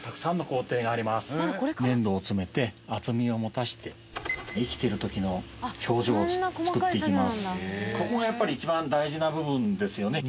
粘土を詰めて厚みを持たせて生きてる時の表情を作っていきます。